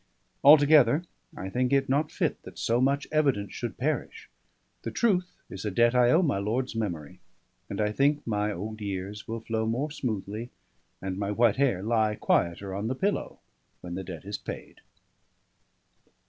Altogether, I think it not fit that so much evidence should perish; the truth is a debt I owe my lord's memory; and I think my old years will flow more smoothly, and my white hair lie quieter on the pillow, when the debt is paid.